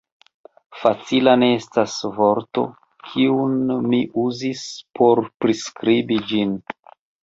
Facila ne estas vorto, kiun mi uzus, por priskribi ĝin.